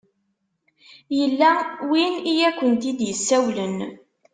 Yella win i akent-id-isawlen.